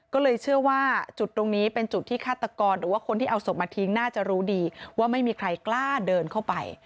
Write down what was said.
ก็เลยเชื่อว่าจุดตรงนี้เป็นจุดที่ฆาตกรหรือว่าคนที่เอาศพมาทิ้งน่าจะรู้ดีว่าไม่มีใครกล้าเดินเข้าไป